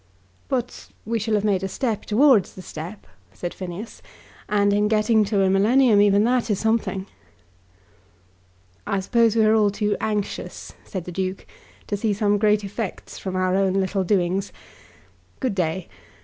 "But we shall have made a step towards the step," said Phineas, "and in getting to a millennium even that is something." "I suppose we are all too anxious," said the Duke, "to see some great effects come from our own little doings. Good day.